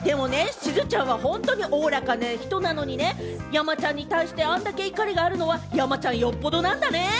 しずちゃんは、おおらかな人なのにね、山ちゃんに対してあんだけ怒りがあるのは山ちゃん、よっぽどなんだねぇ。